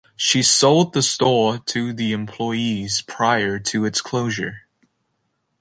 She sold the store to the employees prior to its closure.